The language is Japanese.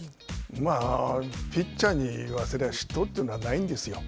まあ、ピッチャーに言わせれば、失投というのは、ないんですよ。